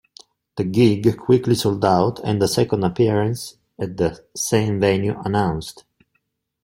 The gig quickly sold out, and a second appearance at the same venue announced.